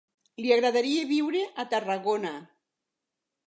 Li agradaria viure a Tarragona.